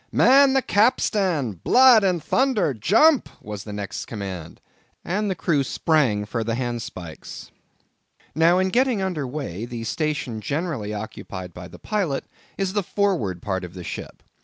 "Man the capstan! Blood and thunder!—jump!"—was the next command, and the crew sprang for the handspikes. Now in getting under weigh, the station generally occupied by the pilot is the forward part of the ship.